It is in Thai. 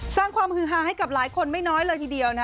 สร้างความฮือฮาให้กับหลายคนไม่น้อยเลยทีเดียวนะ